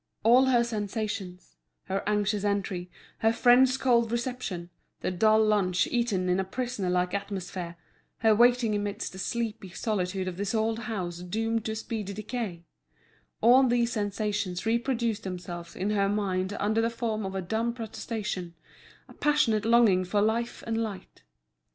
All her sensations—her anxious entry, her friends' cold reception, the dull lunch eaten in a prison like atmosphere, her waiting amidst the sleepy solitude of this old house doomed to a speedy decay—all these sensations reproduced themselves in her mind under the form of a dumb protestation, a passionate longing for life and light.